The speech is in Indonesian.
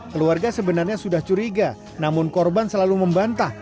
keluarga sebenarnya sudah curiga namun korban selalu membantah